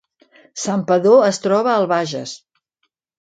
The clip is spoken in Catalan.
Santpedor es troba al Bages